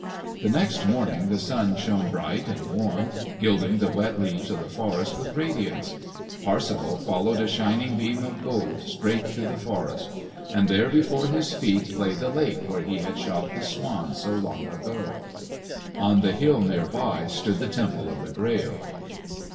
The next morning the sun shone bright and warm, gilding the wet leaves of the forest with radiance. Parsifal followed a shining beam of gold straight through the forest—and there before his feet lay the lake where he had shot the swan so long ago. On the hill near by stood the Temple of the Grail.